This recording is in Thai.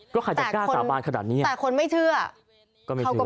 ก็ใครจะกล้าสาบานขนาดนี้แต่คนไม่เชื่อก็ไม่เข้าใจ